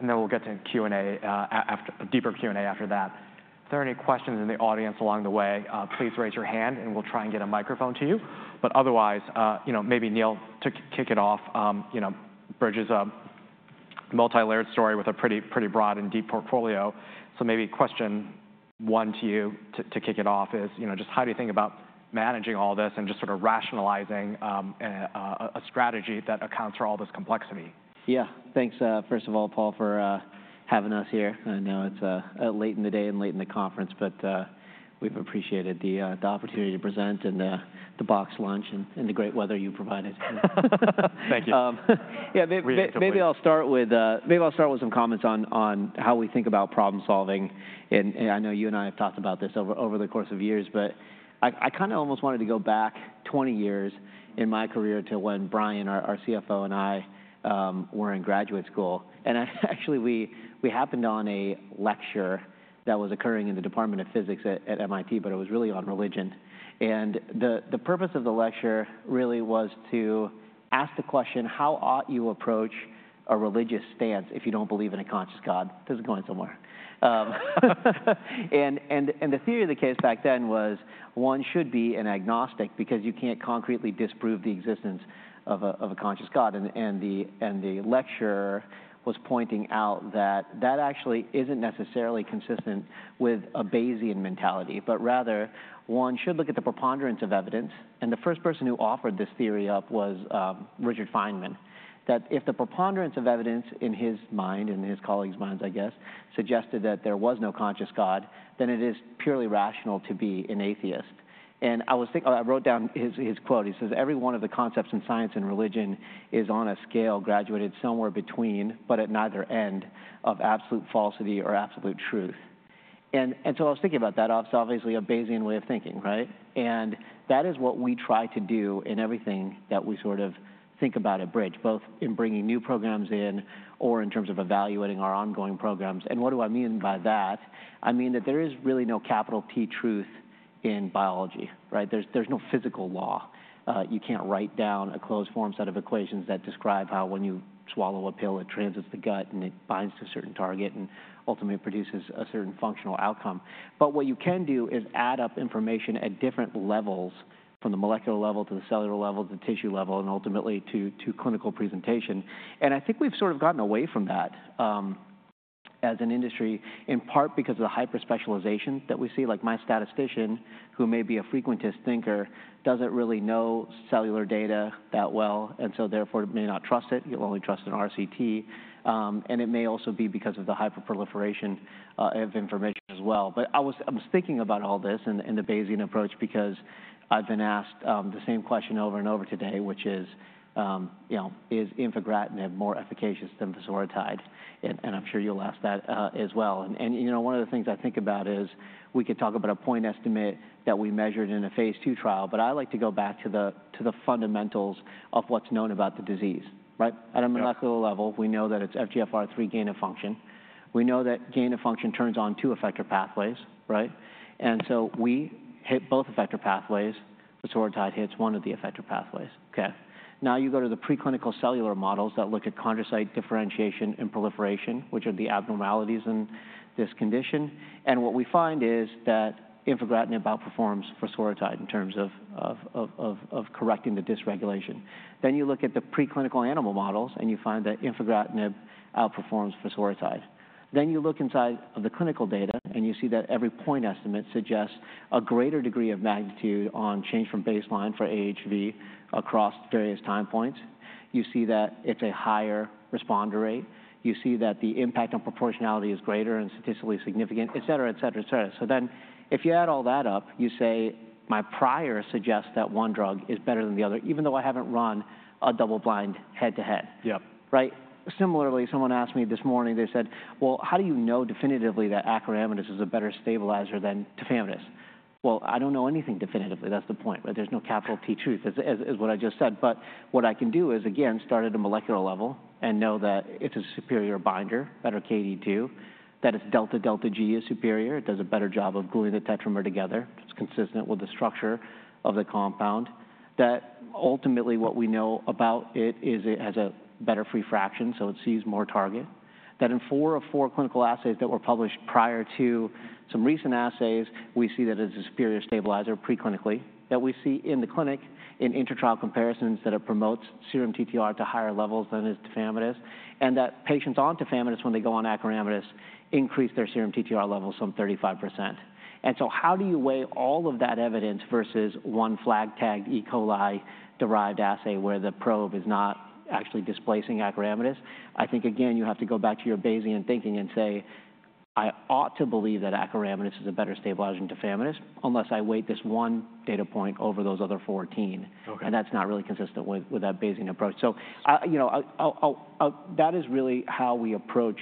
And then we'll get to Q&A after a deeper Q&A after that. If there are any questions in the audience along the way, please raise your hand, and we'll try and get a microphone to you. But otherwise, you know, maybe Neil, to kick it off, you know, Bridge is a multilayered story with a pretty, pretty broad and deep portfolio. So maybe question one to you to kick it off is, you know, just how do you think about managing all this and just sort of rationalizing a strategy that accounts for all this complexity? Yeah. Thanks, first of all, Paul, for having us here. I know it's late in the day and late in the conference, but we've appreciated the opportunity to present, and the boxed lunch, and the great weather you provided. Thank you. Really, totally. Yeah, maybe I'll start with some comments on how we think about problem-solving. I know you and I have talked about this over the course of years, but I kind of almost wanted to go back 20 years in my career to when Brian, our CFO, and I were in graduate school. Actually, we happened on a lecture that was occurring in the Department of Physics at MIT, but it was really on religion. The purpose of the lecture really was to ask the question, how ought you approach a religious stance if you don't believe in a conscious God? This is going somewhere. The theory of the case back then was, one should be an agnostic because you can't concretely disprove the existence of a conscious God. The lecturer was pointing out that that actually isn't necessarily consistent with a Bayesian mentality, but rather, one should look at the preponderance of evidence. The first person who offered this theory up was Richard Feynman, that if the preponderance of evidence, in his mind and his colleagues' minds, I guess, suggested that there was no conscious God, then it is purely rational to be an atheist. I wrote down his quote. He says, "Every one of the concepts in science and religion is on a scale graduated somewhere between, but at neither end, of absolute falsity or absolute truth." So I was thinking about that. Obviously, a Bayesian way of thinking, right? And that is what we try to do in everything that we sort of think about at Bridge, both in bringing new programs in or in terms of evaluating our ongoing programs. And what do I mean by that? I mean that there is really no capital T truth in biology, right? There's, there's no physical law. You can't write down a closed-form set of equations that describe how when you swallow a pill, it transits the gut, and it binds to a certain target, and ultimately it produces a certain functional outcome. But what you can do is add up information at different levels, from the molecular level, to the cellular level, to the tissue level, and ultimately to, to clinical presentation. And I think we've sort of gotten away from that, as an industry, in part because of the hyper-specialization that we see. Like, my statistician, who may be a frequentist thinker, doesn't really know cellular data that well, and so therefore may not trust it. He'll only trust an RCT. And it may also be because of the hyper-proliferation of information as well. But I was thinking about all this and the Bayesian approach because I've been asked the same question over and over today, which is, you know, "Is Infigratinib more efficacious than Vismodegib?" And I'm sure you'll ask that, as well. And, you know, one of the things I think about is we could talk about a point estimate that we measured in a phase 2 trial, but I like to go back to the fundamentals of what's known about the disease, right? Yeah. At a molecular level, we know that it's FGFR3 gain-of-function. We know that gain-of-function turns on two effector pathways, right? And so we hit both effector pathways. Vismodegib hits one of the effector pathways. Okay. Now, you go to the preclinical cellular models that look at chondrocyte differentiation and proliferation, which are the abnormalities in this condition, and what we find is that Infigratinib outperforms Vismodegib in terms of correcting the dysregulation. Then you look at the preclinical animal models, and you find that Infigratinib outperforms Vismodegib. Then you look inside of the clinical data, and you see that every point estimate suggests a greater degree of magnitude on change from baseline for AHV across various time points. You see that it's a higher responder rate. You see that the impact on proportionality is greater and statistically significant, et cetera, et cetera, et cetera. So then if you add all that up, you say, "My prior suggests that one drug is better than the other, even though I haven't run a double-blind head-to-head. Yep. Right? Similarly, someone asked me this morning, they said: "Well, how do you know definitively that Acoramidis is a better stabilizer than Tafamidis?" Well, I don't know anything definitively. That's the point, right? There's no capital T truth, as, as, as what I just said. But what I can do is, again, start at a molecular level and know that it's a superior binder, better KD2. That its delta delta G is superior, it does a better job of gluing the tetramer together, it's consistent with the structure of the compound. That ultimately what we know about it is it has a better free fraction, so it sees more target. That in four of four clinical assays that were published prior to some recent assays, we see that it's a superior stabilizer preclinically. That we see in the clinic, in inter-trial comparisons, that it promotes serum TTR to higher levels than Tafamidis, and that patients on Tafamidis, when they go on Acoramidis, increase their serum TTR levels some 35%. And so how do you weigh all of that evidence versus one FLAG-tagged E. coli-derived assay where the probe is not actually displacing Acoramidis? I think, again, you have to go back to your Bayesian thinking and say, "I ought to believe that Acoramidis is a better stabilizer than Tafamidis, unless I weight this one data point over those other 14. Okay. That's not really consistent with that Bayesian approach. So I, you know, that is really how we approach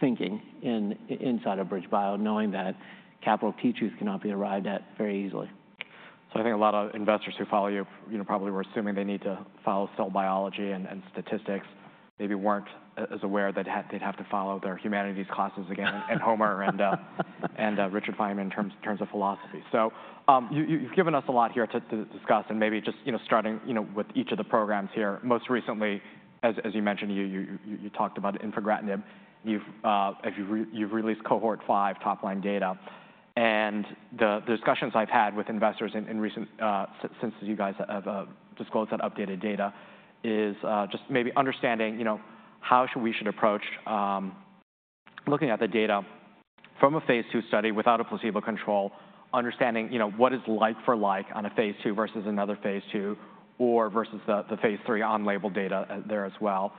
thinking inside of BridgeBio, knowing that capital T truth cannot be arrived at very easily. So I think a lot of investors who follow you, you know, probably were assuming they need to follow cell biology and statistics, maybe weren't as aware that they'd have to follow their humanities classes again and Homer and Richard Feynman in terms of philosophy. So you've given us a lot here to discuss, and maybe just, you know, starting, you know, with each of the programs here. Most recently, as you mentioned, you talked about Infigratinib. You've released cohort 5 top-line data. and the discussions I've had with investors in recent since you guys have disclosed that updated data is just maybe understanding, you know, how we should approach looking at the data from a phase II study without a placebo control, understanding, you know, what is like for like on a phase II versus another phase II, or versus the phase III on-label data there as well.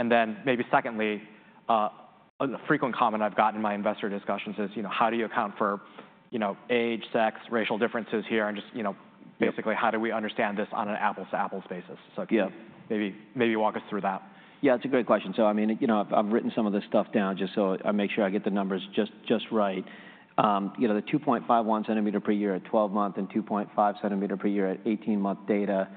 And then maybe secondly, a frequent comment I've got in my investor discussions is, you know, how do you account for, you know, age, sex, racial differences here, and just, you know, basically, how do we understand this on an apples-to-apples basis? Yeah. Can you maybe, maybe walk us through that? Yeah, it's a great question. So I mean, you know, I've written some of this stuff down just so I make sure I get the numbers just right. You know, the 2.51 cm per year at 12 months and 2.5 cm per year at 18-month data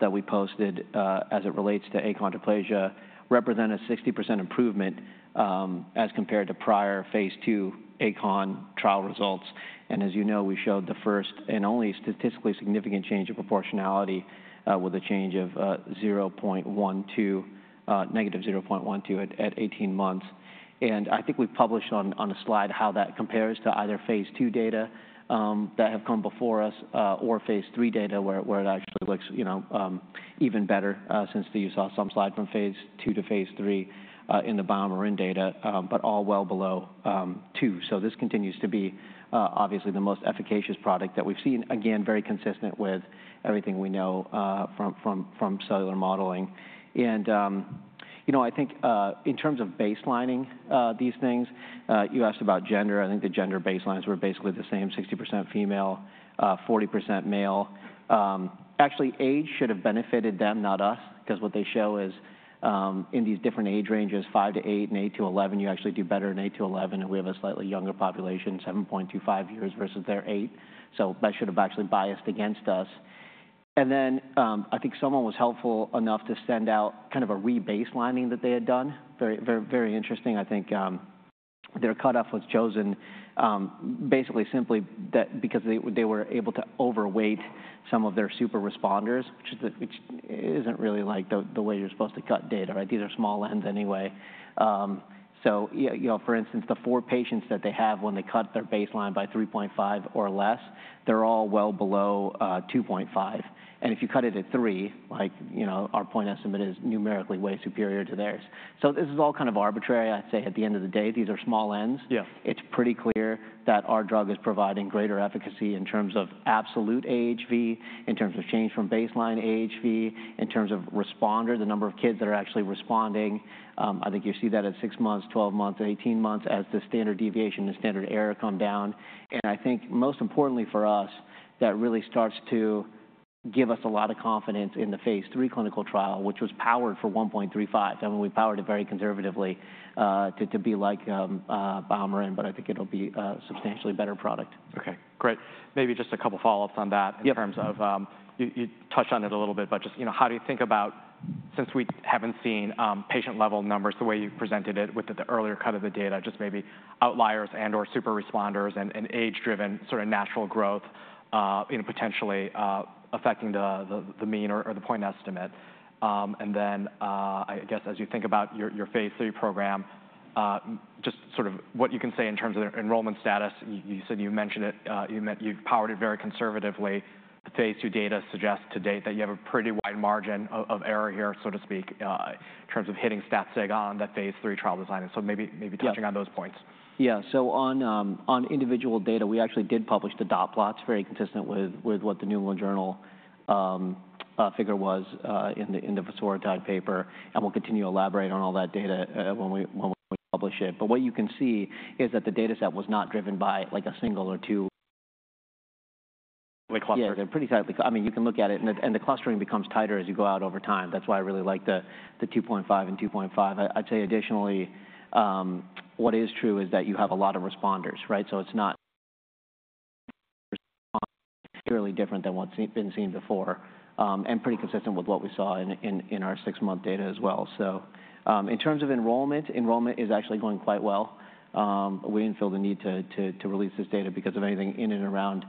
that we posted, as it relates to achondroplasia, represent a 60% improvement, as compared to prior phase II achondroplasia trial results. And as you know, we showed the first and only statistically significant change in proportionality, with a change of negative 0.12 at 18 months. And I think we've published on a slide how that compares to either phase II data that have come before us or phase III data, where it actually looks, you know, even better, since these are some slides from phase II to phase III in the BioMarin data, but all well below two. So this continues to be obviously the most efficacious product that we've seen. Again, very consistent with everything we know from cellular modeling. And you know, I think in terms of baselining these things, you asked about gender. I think the gender baselines were basically the same, 60% female, 40% male. Actually, age should have benefited them, not us, because what they show is, in these different age ranges, 5-8 and 8-11, you actually do better in 8-11, and we have a slightly younger population, 7.25 years versus their 8. So that should have actually biased against us. And then, I think someone was helpful enough to send out kind of a rebaselining that they had done. Very, very, very interesting. I think, their cutoff was chosen, basically simply that because they were able to overweight some of their super responders, which isn't really like the way you're supposed to cut data, right? These are small ends anyway. So you know, for instance, the 4 patients that they have when they cut their baseline by 3.5 or less, they're all well below 2.5. And if you cut it at 3, like, you know, our point estimate is numerically way superior to theirs. So this is all kind of arbitrary. I'd say at the end of the day, these are small ends. Yeah. It's pretty clear that our drug is providing greater efficacy in terms of absolute AHV, in terms of change from baseline AHV, in terms of responder, the number of kids that are actually responding. I think you see that at 6 months, 12 months, and 18 months as the standard deviation and standard error come down. I think most importantly for us, that really starts to give us a lot of confidence in the phase III clinical trial, which was powered for 1.35, and we powered it very conservatively, to, to be like, BioMarin, but I think it'll be a substantially better product. Okay, great. Maybe just a couple follow-ups on that- Yeah... in terms of, you, you touched on it a little bit, but just, you know, how do you think about, since we haven't seen, patient-level numbers, the way you presented it with the earlier cut of the data, just maybe outliers and/or super responders and, and age-driven sort of natural growth, you know, potentially, affecting the mean or the point estimate? And then, I guess as you think about your phase III program, just sort of what you can say in terms of the enrollment status. You said you mentioned it, you meant you've powered it very conservatively. The phase II data suggests to date that you have a pretty wide margin of error here, so to speak, in terms of hitting stat sig on that phase III trial design. And so maybe, maybe touching on those points. Yeah. So on individual data, we actually did publish the dot plots, very consistent with what the New England Journal figure was in the Vutrisiran paper, and we'll continue to elaborate on all that data when we publish it. But what you can see is that the data set was not driven by, like, a single or two- Cluster. Yeah, they're pretty tightly... I mean, you can look at it, and the clustering becomes tighter as you go out over time. That's why I really like the 2.5 and 2.5. I'd say additionally, what is true is that you have a lot of responders, right? So it's not really different than what's been seen before, and pretty consistent with what we saw in our 6-month data as well. So, in terms of enrollment, enrollment is actually going quite well. We didn't feel the need to release this data because of anything in and around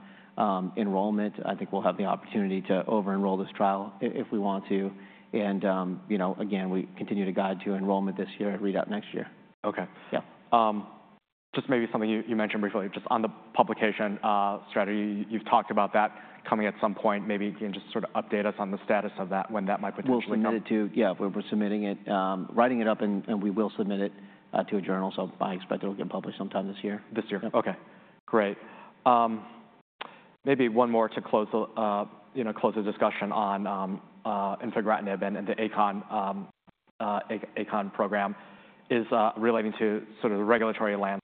enrollment. I think we'll have the opportunity to over-enroll this trial if we want to. And, you know, again, we continue to guide to enrollment this year at read out next year. Okay. Yeah. Just maybe something you mentioned briefly, just on the publication strategy. You've talked about that coming at some point. Maybe you can just sort of update us on the status of that, when that might potentially come. We'll submit it. Yeah, we're submitting it, writing it up, and we will submit it to a journal. So I expect it'll get published sometime this year. This year. Yeah. Okay, great. Maybe one more to close the, you know, close the discussion on Infigratinib and the achon, achon program, is relating to sort of the regulatory land.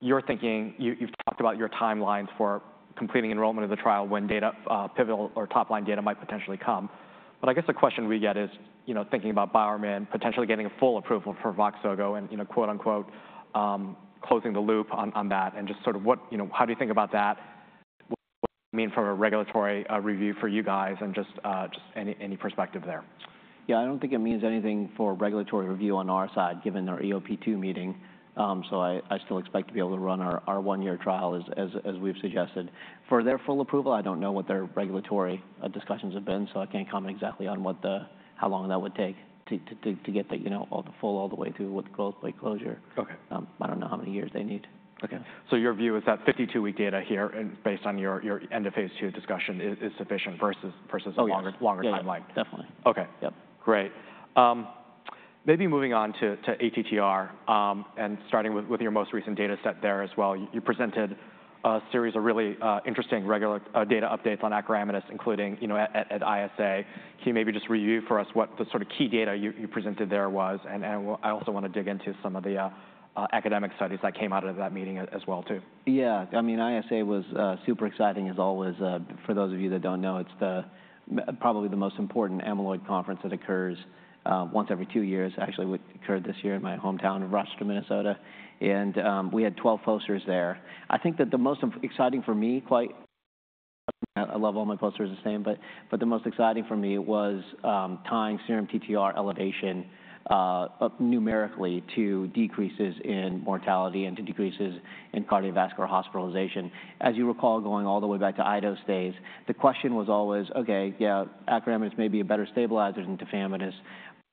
You're thinking... You, you've talked about your timelines for completing enrollment of the trial when data, pivotal or top-line data might potentially come. But I guess the question we get is, you know, thinking about BioMarin, potentially getting a full approval for Voxzogo and, you know, quote-unquote, "closing the loop" on, on that, and just sort of what, you know, how do you think about that? What does it mean from a regulatory, review for you guys, and just, just any, any perspective there? Yeah, I don't think it means anything for regulatory review on our side, given our EOP2 meeting. So I still expect to be able to run our 1-year trial as we've suggested. For their full approval, I don't know what their regulatory discussions have been, so I can't comment exactly on how long that would take to get, you know, all the way through with closure. Okay. I don't know how many years they need. Okay. So your view is that 52-week data here, and based on your end of phase 2 discussion, is sufficient versus Oh, yeah a longer, longer timeline? Yeah, definitely. Okay. Yep. Great. Maybe moving on to ATTR, and starting with your most recent data set there as well. You presented a series of really interesting regular data updates on Acoramidis, including, you know, at ISA. Can you maybe just review for us what the sort of key data you presented there was? And I also want to dig into some of the academic studies that came out of that meeting as well, too. Yeah. I mean, ISA was super exciting, as always. For those of you that don't know, it's probably the most important amyloid conference that occurs once every two years. Actually, it occurred this year in my hometown of Rochester, Minnesota, and we had 12 posters there. I think that the most exciting for me, I love all my posters the same, but the most exciting for me was tying serum TTR elevation up numerically to decreases in mortality and to decreases in cardiovascular hospitalization. As you recall, going all the way back to IDO stage, the question was always: Okay, yeah, Acoramidis may be a better stabilizer than Tafamidis, but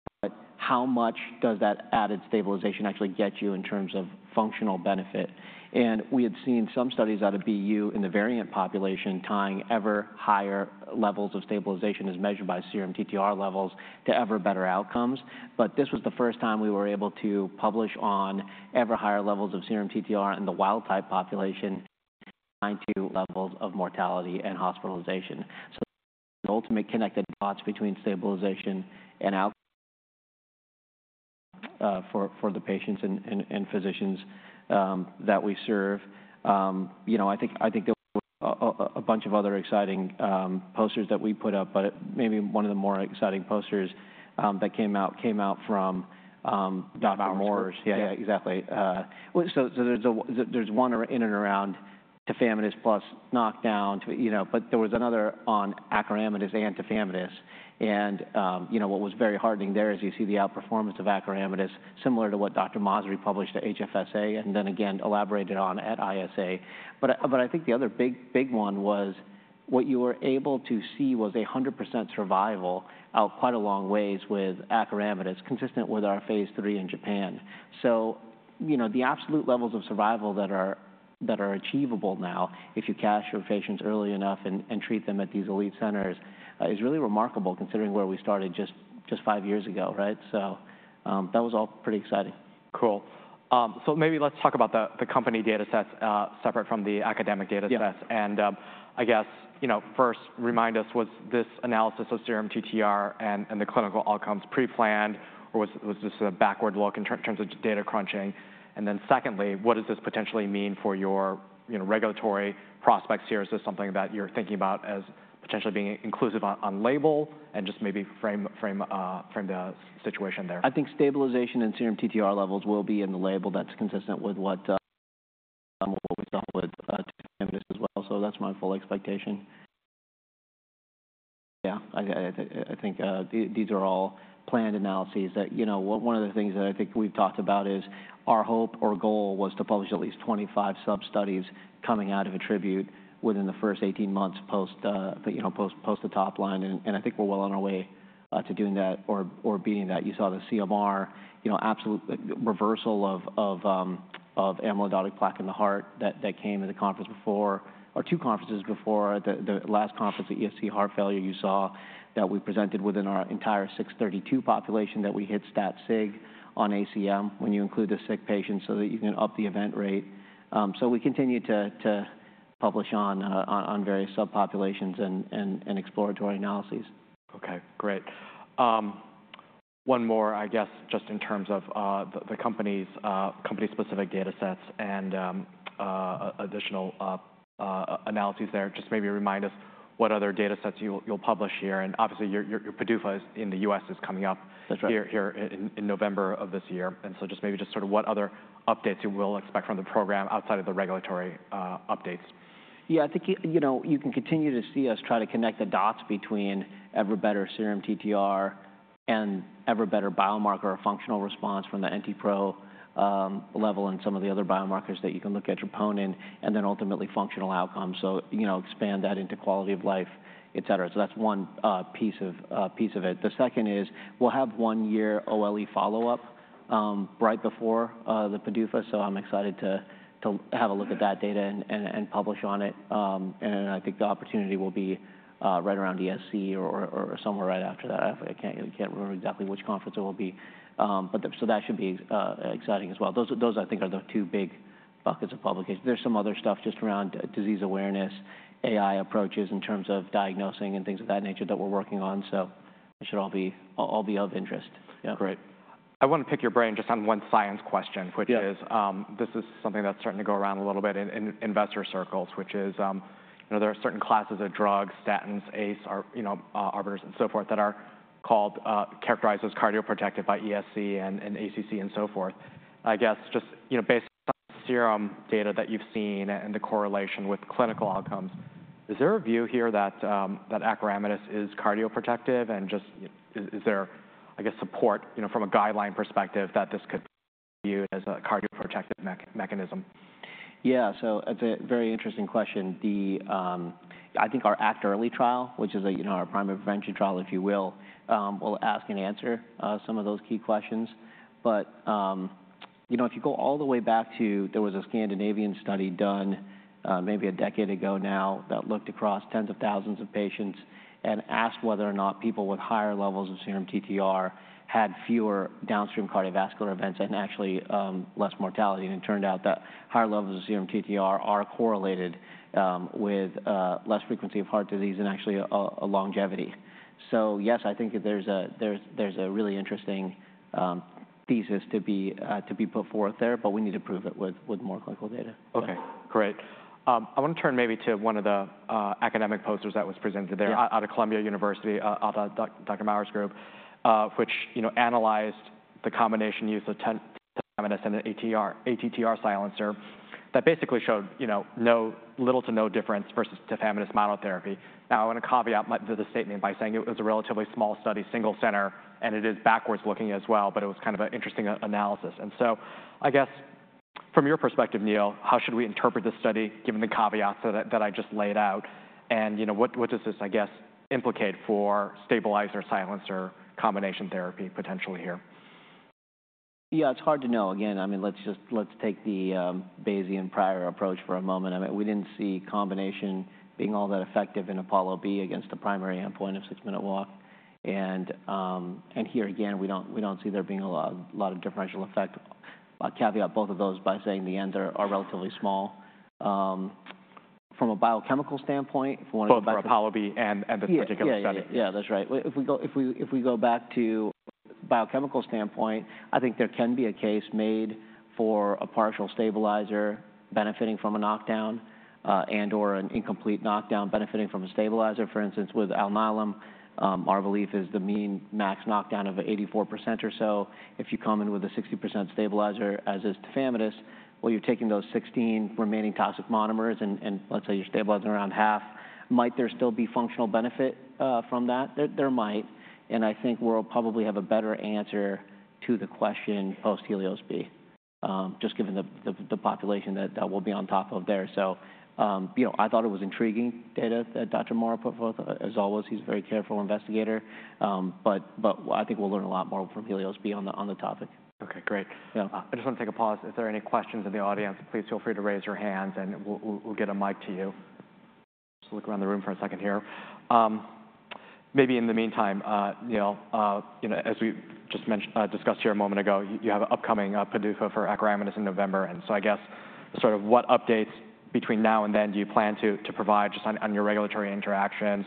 how much does that added stabilization actually get you in terms of functional benefit? We had seen some studies out of BU in the variant population tying ever higher levels of stabilization, as measured by serum TTR levels, to ever better outcomes. But this was the first time we were able to publish on ever higher levels of serum TTR in the wild type population, 90 levels of mortality and hospitalization. So the ultimate connected dots between stabilization and outcomes for the patients and physicians that we serve. You know, I think there were a bunch of other exciting posters that we put up, but maybe one of the more exciting posters that came out from Dr. Maurer. Yeah. Yeah, exactly. Well, there's one in and around Tafamidis plus knockdown too, you know... But there was another on Acoramidis and Tafamidis and, you know, what was very heartening there is you see the outperformance of Acoramidis, similar to what Dr. Masri published at HFSA, and then again elaborated on at ISA. But I think the other big one was what you were able to see was 100% survival out quite a long ways with Acoramidis, consistent with our phase 3 in Japan. So, you know, the absolute levels of survival that are achievable now, if you catch your patients early enough and treat them at these elite centers, is really remarkable, considering where we started just 5 years ago, right? So, that was all pretty exciting. Cool. Maybe let's talk about the company data sets separate from the academic data sets. Yeah. I guess, you know, first, remind us, was this analysis of serum TTR and the clinical outcomes pre-planned, or was this a backward look in terms of data crunching? And then secondly, what does this potentially mean for your, you know, regulatory prospects here? Is this something that you're thinking about as potentially being inclusive on label? And just maybe frame the situation there. I think stabilization and serum TTR levels will be in the label. That's consistent with what, what we've done with, Tafamidis as well, so that's my full expectation. Yeah, I think, these, these are all planned analyses that... You know, one of the things that I think we've talked about is our hope or goal was to publish at least 25 sub-studies coming out of ATTRibute within the first 18 months post, you know, post the top line, and, and I think we're well on our way, to doing that or, or being that. You saw the CMR, you know, absolute reversal of, of, of amyloidotic plaque in the heart that, that came in the conference before, or two conferences before. The last conference at ESC Heart Failure, you saw that we presented within our entire 632 population, that we hit stat sig on ACM when you include the sick patients so that you can up the event rate. So we continue to publish on various subpopulations and exploratory analyses. Okay, great. One more, I guess, just in terms of the company's company-specific data sets and additional analyses there. Just maybe remind us what other data sets you'll publish here. And obviously, your PDUFA in the U.S. is coming up- That's right... here in November of this year. And so just maybe just sort of what other updates you will expect from the program outside of the regulatory updates. Yeah, I think, you know, you can continue to see us try to connect the dots between ever better serum TTR and ever better biomarker or functional response from the NT-pro level and some of the other biomarkers that you can look at, troponin, and then ultimately functional outcomes. So, you know, expand that into quality of life, et cetera. So that's one piece of it. The second is we'll have 1-year OLE follow-up right before the PDUFA, so I'm excited to have a look at that data and publish on it. And I think the opportunity will be right around ESC or somewhere right after that. I can't remember exactly which conference it will be. So that should be exciting as well. Those I think are the two big buckets of publication. There's some other stuff just around disease awareness, AI approaches in terms of diagnosing and things of that nature that we're working on, so it should all be of interest. Yeah. Great. I want to pick your brain just on one science question- Yeah... which is, this is something that's starting to go around a little bit in investor circles, which is, you know, there are certain classes of drugs, statins, ACE, or, you know, ARBs and so forth, that are called, characterized as cardioprotective by ESC and ACC and so forth. I guess just, you know, based on surrogate data that you've seen and the correlation with clinical outcomes, is there a view here that Acoramidis is cardioprotective and just, is there, I guess, support, you know, from a guideline perspective that this could be viewed as a cardioprotective mechanism? Yeah, so it's a very interesting question. The, I think our Act Early Trial, which is a, you know, our primary prevention trial, if you will, will ask and answer, some of those key questions. But, you know, if you go all the way back to—There was a Scandinavian study done, maybe a decade ago now, that looked across tens of thousands of patients and asked whether or not people with higher levels of serum TTR had fewer downstream cardiovascular events and actually, less mortality. And it turned out that higher levels of serum TTR are correlated, with, less frequency of heart disease and actually a, a longevity. So yes, I think that there's a, there's, there's a really interesting, thesis to be, to be put forth there, but we need to prove it with, with more clinical data. Okay, great. I want to turn maybe to one of the academic posters that was presented there out of Columbia University, out of Dr. Maurer's group, which, you know, analyzed the combination use of Tafamidis and an ATTR silencer, that basically showed, you know, little to no difference versus Tafamidis monotherapy. Now, I want to caveat my to the statement by saying it was a relatively small study, single center, and it is backwards looking as well, but it was kind of an interesting analysis. So I guess, from your perspective, Neil, how should we interpret this study, given the caveats that I just laid out? And, you know, what does this, I guess, implicate for stabilizer, silencer, combination therapy potentially here? Yeah, it's hard to know. Again, I mean, let's just- let's take the Bayesian prior approach for a moment. I mean, we didn't see combination being all that effective in APOLLO-B against the primary endpoint, a six-minute walk. And here again, we don't, we don't see there being a lot, a lot of differential effect. I'll caveat both of those by saying the N are, are relatively small. From a biochemical standpoint, if you want to- Both for APOLLO-B and this particular study. Yeah. Yeah, yeah, that's right. Well, if we go back to biochemical standpoint, I think there can be a case made for a partial stabilizer benefiting from a knockdown, and/or an incomplete knockdown benefiting from a stabilizer, for instance, with Alnylam. Our belief is the mean max knockdown of 84% or so. If you come in with a 60% stabilizer, as is Tafamidis, well, you're taking those 16 remaining toxic monomers, and let's say you're stabilizing around half. Might there still be functional benefit from that? There might, and I think we'll probably have a better answer to the question post-Helios B, just given the population that will be on top of there. So, you know, I thought it was intriguing data that Dr. Maurer put forth. As always, he's a very careful investigator. But I think we'll learn a lot more from HELIOS-B on the topic. Okay, great. Yeah. I just want to take a pause. Is there any questions in the audience? Please feel free to raise your hand, and we'll get a mic to you. Just look around the room for a second here. Maybe in the meantime, you know, you know, as we just mentioned, discussed here a moment ago, you, you have an upcoming PDUFA for Acoramidis in November. And so I guess, sort of what updates between now and then do you plan to provide just on your regulatory interactions,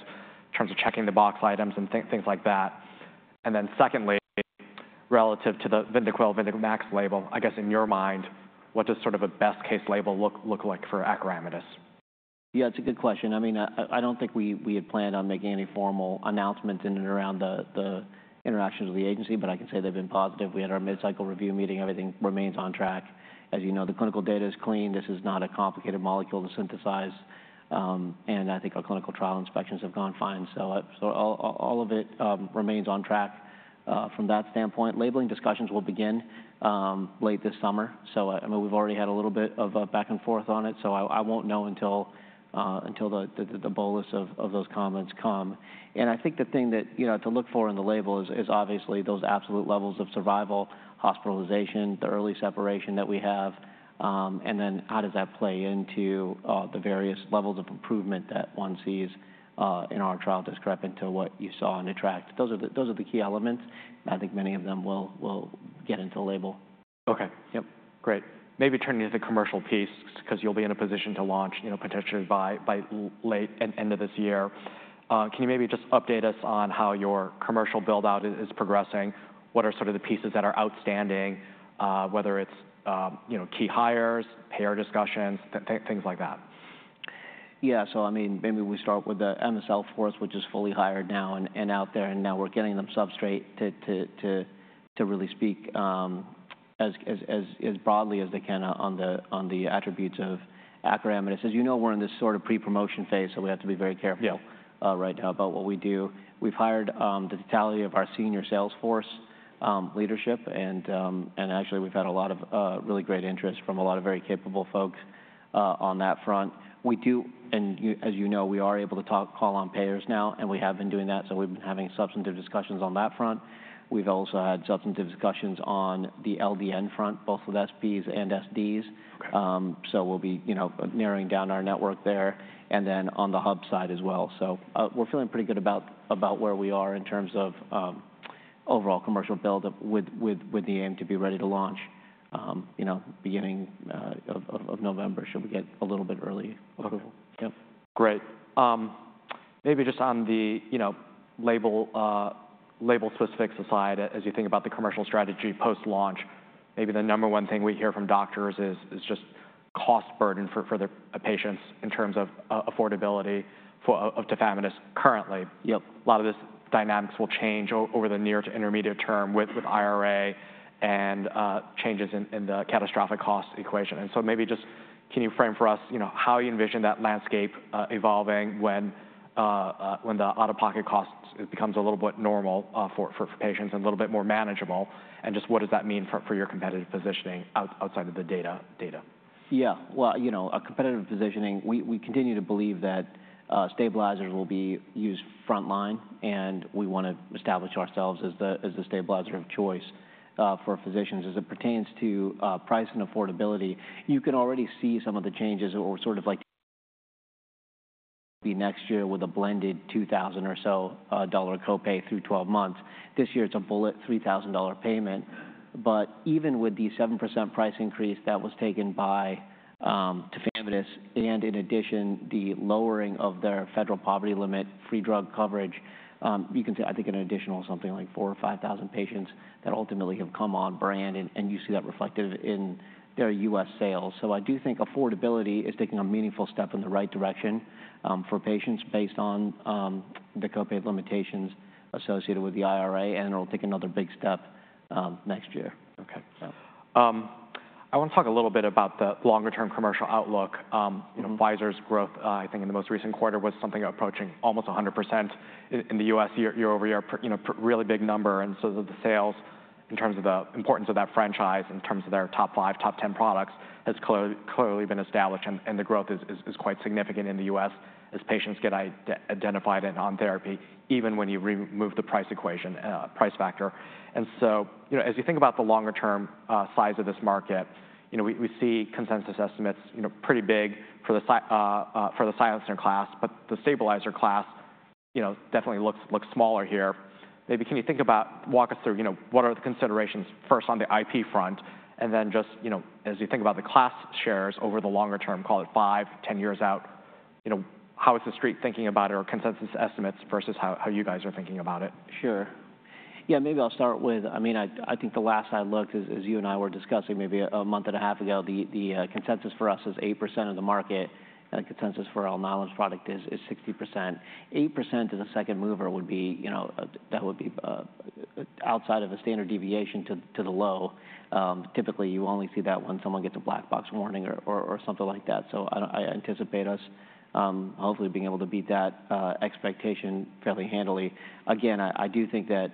in terms of checking the box items and things like that? And then secondly, relative to the Vyndaqel Vyndamax label, I guess in your mind, what does sort of a best-case label look like for Acoramidis? Yeah, it's a good question. I mean, I don't think we had planned on making any formal announcements in and around the interactions with the agency, but I can say they've been positive. We had our mid-cycle review meeting. Everything remains on track. As you know, the clinical data is clean. This is not a complicated molecule to synthesize, and I think our clinical trial inspections have gone fine. So all of it remains on track from that standpoint. Labeling discussions will begin late this summer. So I mean, we've already had a little bit of a back and forth on it, so I won't know until the bolus of those comments come. I think the thing that, you know, to look for in the label is obviously those absolute levels of survival, hospitalization, the early separation that we have, and then how does that play into the various levels of improvement that one sees in our trial compared to what you saw in ATTR-ACT? Those are the key elements, and I think many of them will get into the label. Okay. Yep, great. Maybe turning to the commercial piece, 'cause you'll be in a position to launch, you know, potentially by late end of this year. Can you maybe just update us on how your commercial build-out is progressing? What are sort of the pieces that are outstanding, whether it's, you know, key hires, payer discussions, things like that? Yeah, so I mean, maybe we start with the MSL force, which is fully hired now and out there, and now we're getting them substrate to really speak as broadly as they can on the attributes of Acoramidis. As you know, we're in this sort of pre-promotion phase, so we have to be very careful. Yeah... right now about what we do. We've hired, the totality of our senior sales force, leadership, and, and actually, we've had a lot of, really great interest from a lot of very capable folks, on that front. We do, and you, as you know, we are able to talk, call on payers now, and we have been doing that, so we've been having substantive discussions on that front. We've also had substantive discussions on the LDN front, both with SPs and SDs. Okay. So we'll be, you know, narrowing down our network there and then on the hub side as well. So, we're feeling pretty good about about where we are in terms of, overall commercial build up with, with, with the aim to be ready to launch, you know, beginning, of, of, of November, should we get a little bit early approval. Okay. Yep. Great. Maybe just on the, you know, label specifics aside, as you think about the commercial strategy post-launch, maybe the number one thing we hear from doctors is cost burden for the patients in terms of affordability for of Tafamidis currently. You know, a lot of this dynamics will change over the near to intermediate term with IRA and changes in the catastrophic cost equation. And so maybe just can you frame for us, you know, how you envision that landscape evolving when when the out-of-pocket costs it becomes a little bit normal for patients and a little bit more manageable, and just what does that mean for your competitive positioning outside of the data? Yeah. Well, you know, our competitive positioning, we, we continue to believe that, stabilizers will be used frontline, and we want to establish ourselves as the, as the stabilizer of choice, for physicians. As it pertains to, price and affordability, you can already see some of the changes or sort of like the next year with a blended $2,000 or so dollar copay through 12 months. This year, it's a bullet $3,000 dollar payment. But even with the 7% price increase that was taken by, Tafamidis, and in addition, the lowering of their federal poverty limit, free drug coverage, you can see, I think, an additional something like 4 or 5 thousand patients that ultimately have come on brand, and, and you see that reflected in their U.S. sales. So, I do think affordability is taking a meaningful step in the right direction for patients based on the copay limitations associated with the IRA, and it'll take another big step next year. Okay. So. I want to talk a little bit about the longer-term commercial outlook. Mm-hmm. You know, Pfizer's growth, I think in the most recent quarter, was something approaching almost 100% in the U.S. year-over-year. You know, really big number, and so the sales in terms of the importance of that franchise, in terms of their top five, top 10 products, has clearly been established, and the growth is quite significant in the U.S. as patients get identified and on therapy, even when you remove the price equation, price factor. And so, you know, as you think about the longer term, size of this market, you know, we see consensus estimates, you know, pretty big for the silencer class, but the stabilizer class, you know, definitely looks smaller here. Walk us through, you know, what are the considerations, first on the IP front, and then just, you know, as you think about the class shares over the longer term, call it 5, 10 years out, you know, how is The Street thinking about it or consensus estimates versus how you guys are thinking about it? Sure. Yeah, maybe I'll start with... I mean, I think the last I looked, as you and I were discussing maybe a month and a half ago, the consensus for us is 8% of the market, and the consensus for Alnylam's product is 60%. 8% as a second mover would be, you know, that would be outside of a standard deviation to the low. Typically, you only see that when someone gets a black box warning or something like that. So I don't anticipate us hopefully being able to beat that expectation fairly handily. Again, I do think that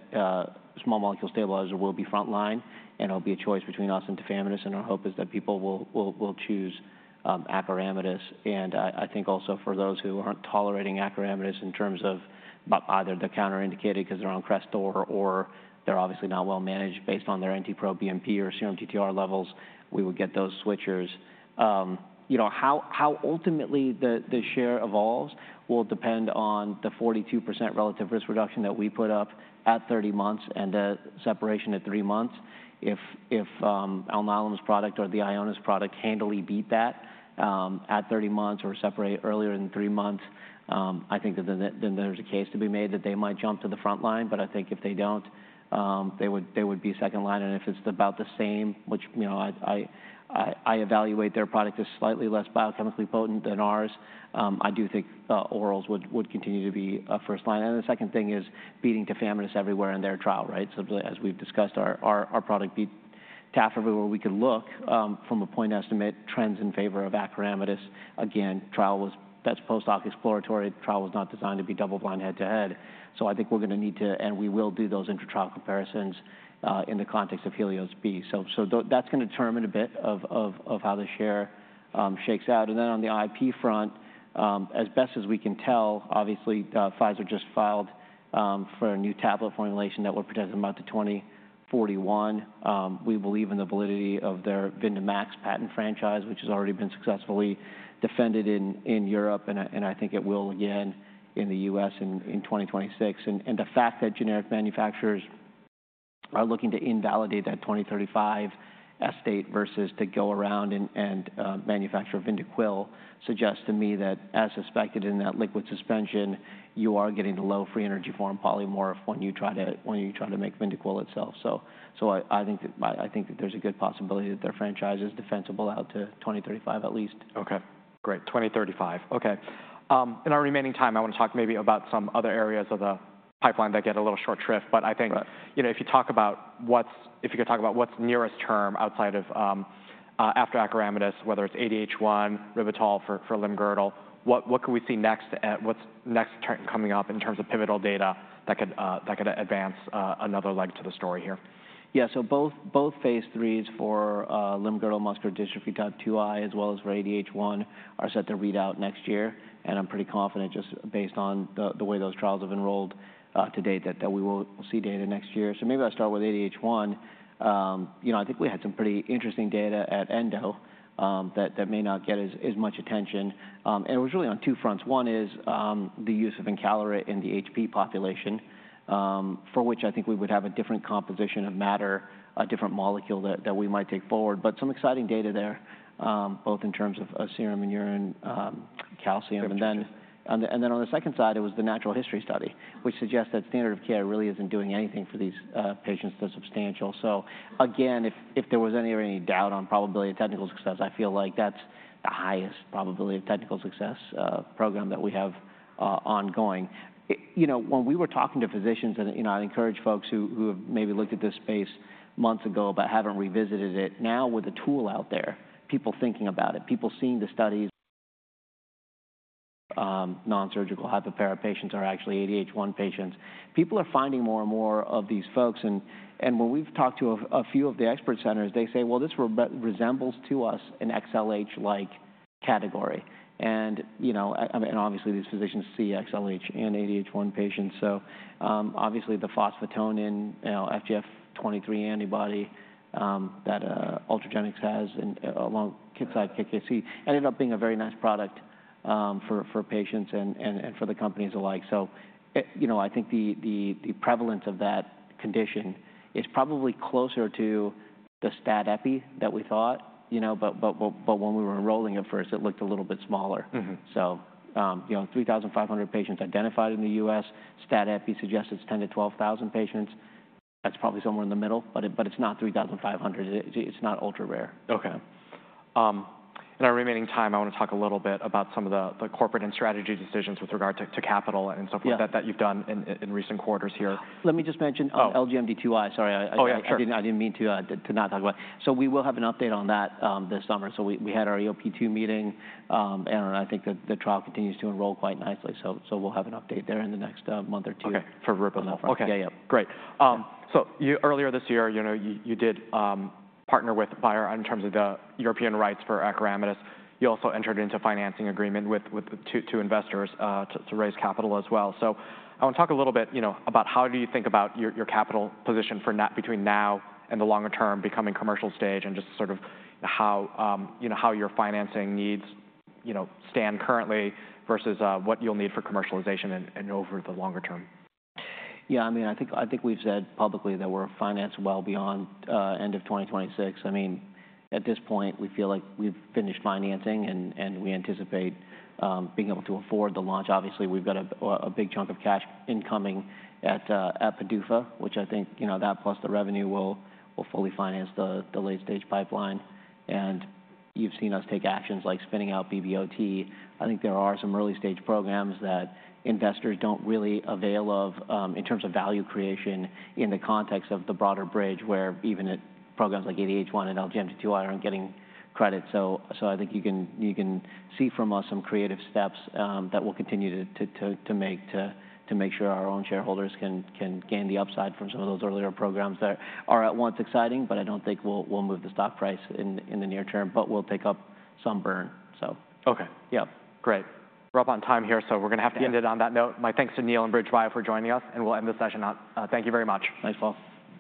small molecule stabilizer will be frontline, and it'll be a choice between us and Tafamidis, and our hope is that people will choose Acoramidis. And I think also for those who aren't tolerating Acoramidis in terms of either they're contraindicated because they're on Crestor or they're obviously not well managed based on their NT-proBNP or serum TTR levels, we would get those switchers. You know, how ultimately the share evolves will depend on the 42% relative risk reduction that we put up at 30 months and the separation at 3 months. If Alnylam's product or the Ionis product handily beat that at 30 months or separate earlier than 3 months, I think that then there's a case to be made that they might jump to the front line. But I think if they don't, they would be second line, and if it's about the same, which, you know, I evaluate their product as slightly less biochemically potent than ours, I do think orals would continue to be first line. And the second thing is beating Tafamidis everywhere in their trial, right? So as we've discussed, our product beat Taf everywhere we could look. From a point estimate, trends in favor of Acoramidis, again, trial was... That's post hoc exploratory. Trial was not designed to be double-blind head-to-head. So I think we're gonna need to, and we will do those intra-trial comparisons, in the context of HELIOS-B. So that's gonna determine a bit of how the share shakes out. And then on the IP front, as best as we can tell, obviously, Pfizer just filed for a new tablet formulation that will patent them out to 2041. We believe in the validity of their Vyndamax patent franchise, which has already been successfully defended in Europe, and I think it will again in the U.S. in 2026. And the fact that generic manufacturers are looking to invalidate that 2035 date versus to go around and manufacture Vyndaqel suggests to me that, as suspected in that liquid suspension, you are getting the low-free energy form polymorph when you try to make Vyndaqel itself. So I think that there's a good possibility that their franchise is defensible out to 2035 at least. Okay, great. 2035. Okay. In our remaining time, I want to talk maybe about some other areas of the pipeline that get a little short shrift. Right. But I think, you know, if you talk about what's... If you could talk about what's nearest term outside of, after Acoramidis, whether it's ADH1, Ribitol for, for limb-girdle, what can we see next at- what's next term coming up in terms of pivotal data that could, that could advance, another leg to the story here? Yeah, so both, both phase 3s for Limb-Girdle Muscular Dystrophy type 2I, as well as for ADH1, are set to read out next year, and I'm pretty confident just based on the, the way those trials have enrolled, to date that, that we will see data next year. So maybe I'll start with ADH1. You know, I think we had some pretty interesting data at Endo, that, that may not get as, as much attention. And it was really on two fronts. One is, the use of Encaleret in the HP population, for which I think we would have a different composition of matter, a different molecule that, that we might take forward. But some exciting data there, both in terms of serum and urine, calcium And then on the second side, it was the natural history study, which suggests that standard of care really isn't doing anything for these patients that's substantial. So again, if there was any doubt on probability of technical success, I feel like that's the highest probability of technical success program that we have ongoing. It you know, when we were talking to physicians, and you know, I'd encourage folks who have maybe looked at this space months ago, but haven't revisited it, now with a tool out there, people thinking about it, people seeing the studies, nonsurgical hypopara patients are actually ADH1 patients. People are finding more and more of these folks, and when we've talked to a few of the expert centers, they say, "Well, this resembles to us an XLH-like category." And, you know, I mean, and obviously, these physicians see XLH and ADH1 patients, so obviously, the phosphatonin, you know, FGF23 antibody that Ultragenyx has, and along Kyowa Kirin, KKC, ended up being a very nice product for patients and for the companies alike. So, you know, I think the prevalence of that condition is probably closer to the stat epi that we thought, you know, but when we were enrolling at first, it looked a little bit smaller. Mm-hmm. You know, 3,500 patients identified in the U.S., stat epi suggests it's 10,000-12,000 patients. That's probably somewhere in the middle, but it's not 3,500. It's not ultra-rare. Okay. In our remaining time, I wanna talk a little bit about some of the corporate and strategy decisions with regard to capital and so forth- Yeah that you've done in recent quarters here. Let me just mention- Oh. LGMD 2I. Sorry. Oh, yeah, sure. I didn't, I didn't mean to, to not talk about it. So we will have an update on that, this summer. So we, we had our EOP2 meeting, and I think the, the trial continues to enroll quite nicely, so, so we'll have an update there in the next, month or two. Okay, for rip on that one. Yeah, yeah. Great. So earlier this year, you know, you did partner with Bayer in terms of the European rights for Acoramidis. You also entered into a financing agreement with two investors to raise capital as well. I wanna talk a little bit, you know, about how do you think about your capital position for now between now and the longer term, becoming commercial stage, and just sort of how you know how your financing needs you know stand currently versus what you'll need for commercialization and over the longer term? Yeah, I mean, I think, I think we've said publicly that we're financed well beyond end of 2026. I mean, at this point, we feel like we've finished financing, and, and we anticipate being able to afford the launch. Obviously, we've got a big chunk of cash incoming at PDUFA, which I think, you know, that plus the revenue will, will fully finance the, the late-stage pipeline, and you've seen us take actions like spinning out BBOT. I think there are some early-stage programs that investors don't really avail of in terms of value creation in the context of the broader bridge, where even at programs like ADH1 and LGMD 2I aren't getting credit. So, I think you can see from us some creative steps that we'll continue to make sure our own shareholders can gain the upside from some of those earlier programs that are at once exciting, but I don't think we'll move the stock price in the near term, but we'll take up some burn, so. Okay. Yeah. Great. We're up on time here, so we're gonna have to... Yeah End it on that note. My thanks to Neil and BridgeBio for joining us, and we'll end the session on... thank you very much. Thanks, Paul.